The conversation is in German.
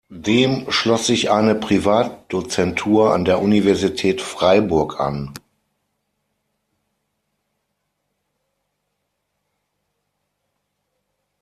Dem schloss sich eine Privatdozentur an der Universität Freiburg an.